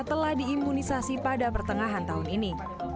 telah diimunisasi pada pertengahan tahun ini